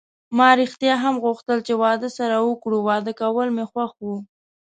ما ریښتیا هم غوښتل چې واده سره وکړو، واده کول مې خوښ و.